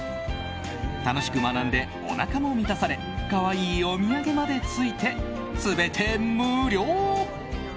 楽しく学んで、おなかも満たされ可愛いお土産までついて全て無料！